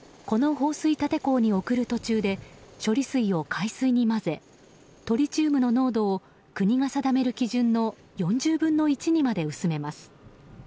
この放水立て坑に送る途中で処理水に海水を混ぜトリチウムの濃度を国が定める基準の４０分の１にまで薄めます。